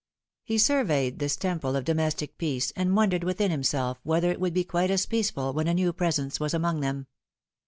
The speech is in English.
He surveyed this temple of domestic IS The Fatal Three. peace, and wondered within himself whether it would be quite as peaceful when a new presence was among them.